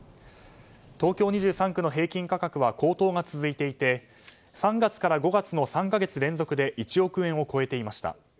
東京２３区の平均価格は高騰が続いていて３月から５月の３か月連続で１億円を超えていました。